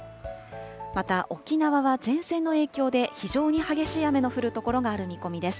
また、沖縄は前線の影響で非常に激しい雨の降る所がある見込みです。